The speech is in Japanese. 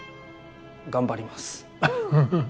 頑張ります。